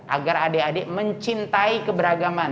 agar adik adik mencintai keberagaman